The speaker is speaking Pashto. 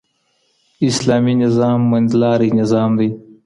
اسلامي نظام منځلاری نظام دی.